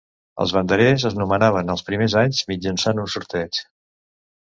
Els banderers es nomenaven els primers anys mitjançant un sorteig.